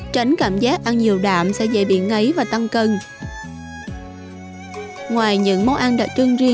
thì mình thỉnh thoảng mua chỉ để trong tủ